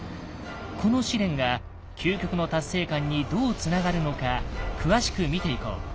この試練が「究極の達成感」にどうつながるのか詳しく見ていこう。